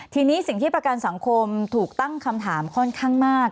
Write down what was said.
ทีนี้สิ่งที่ประกันสังคมถูกตั้งคำถามค่อนข้างมาก